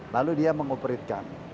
lalu dia mengoperitkan